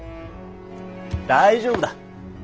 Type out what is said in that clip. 大丈夫だ。